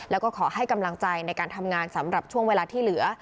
แล้วก็ขอให้กำลังใจในการทำงานสำหรับช่วงเวลาที่เหลือ